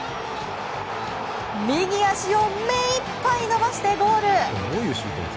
右足を目いっぱい伸ばしてゴール！